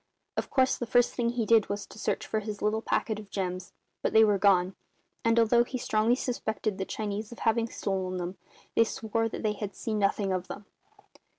Of course the first thing he did was to search for his little packet of gems; but they were gone; and, although he strongly suspected the Chinese of having stolen them, they swore that they had seen nothing of them.